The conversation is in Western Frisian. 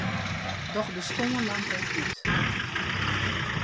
Doch de stânlampe út.